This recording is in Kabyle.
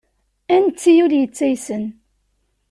Ad netti ul yettaysen.